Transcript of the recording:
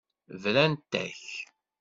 Brant-ak.